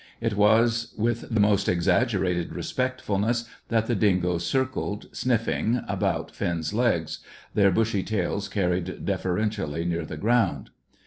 It was with the most exaggerated respectfulness that the dingoes circled, sniffing, about Finn's legs, their bushy tails carried deferentially near the ground.